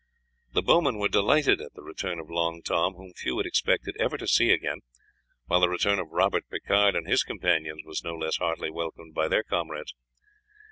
The bowmen were delighted at the return of Long Tom, whom few had expected ever to see again, while the return of Robert Picard and his companions was no less heartily welcomed by their comrades.